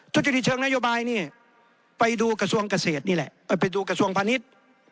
ทุษฎฤษเชิงนโยบายนี่ไปดูกระทรวงพาณิชย์